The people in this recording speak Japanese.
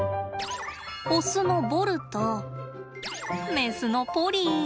オスのボルとメスのポリー。